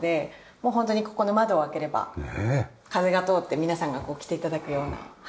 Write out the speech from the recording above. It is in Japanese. もうホントにここの窓を開ければ風が通って皆さんが来て頂くようなはい。